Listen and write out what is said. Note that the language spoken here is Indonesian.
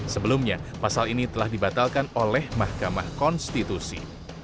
sebelumnya pasal ini telah dibatalkan oleh mahkamah konstitusi